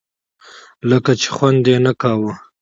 لکه چې خوند یې نه کاوه.